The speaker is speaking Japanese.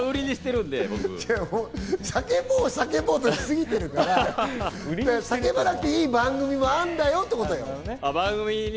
叫ぼう叫ぼうとしすぎてるから、叫ばなくていい番組もあるんだよってこと。